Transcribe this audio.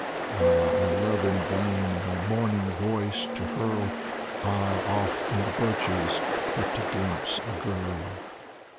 Ah, I love in vain my morning voice to hurl, Ah, off in the birches, but to glimpse a girl.